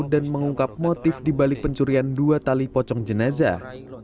dan mengungkap motif di balik pencurian dua tali pocong jenazah